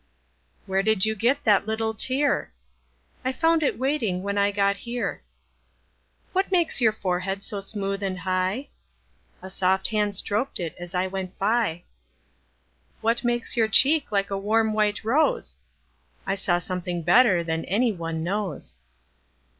Where did you get that little tear?I found it waiting when I got here. What makes your forehead so smooth and high?A soft hand strok'd it as I went by. What makes your cheek like a warm white rose?I saw something better than any one knows.